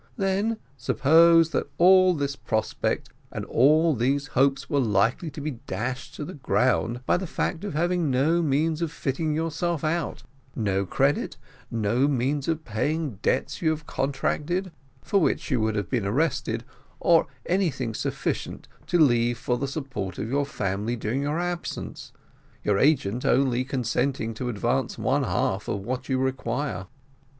Then suppose that all this prospect and all these hopes were likely to be dashed to the ground by the fact of having no means of fitting yourself out, no credit, no means of paying debts you have contracted, for which you would have been arrested, or anything sufficient to leave for the support of your family during your absence, your agent only consenting to advance one half of what you require.